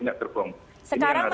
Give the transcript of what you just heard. ini yang harus diperhatikan